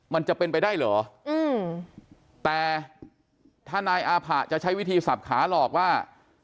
มันจะเป็นไปได้เหรออืมแต่ถ้านายอาผะจะใช้วิธีสับขาหลอกว่า